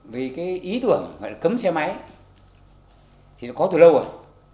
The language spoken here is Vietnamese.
vì cái ý tưởng gọi là cấm xe máy thì nó có từ lâu rồi